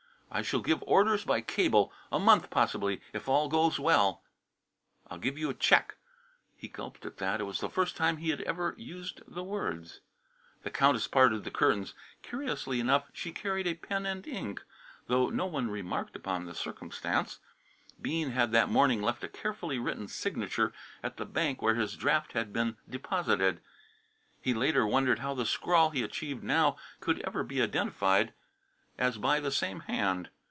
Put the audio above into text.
"I shall give orders by cable. A month, possibly, if all goes well." "I'll give you check." He gulped at that. It was the first time he had ever used the words. The Countess parted the curtains. Curiously enough she carried a pen and ink, though no one remarked upon the circumstance. Bean had that morning left a carefully written signature at the bank where his draft had been deposited. He later wondered how the scrawl he achieved now could ever be identified as by the same hand.